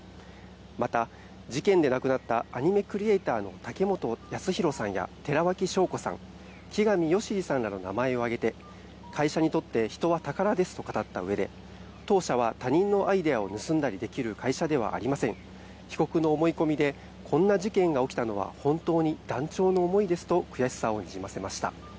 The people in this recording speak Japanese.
また、事件で亡くなったアニメクリエーターの武本康弘さんや寺脇晶子さん、木上益治さんらの名前を挙げて会社にとって人は宝ですと語ったうえで当社は人のアイデアを盗んだりできる会社ではありません被告の思い込みでこんな事件が起きたのは本当に断腸の思いですと悔しさをにじませました。